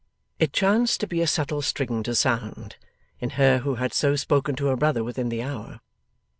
It chanced to be a subtle string to sound, in her who had so spoken to her brother within the hour.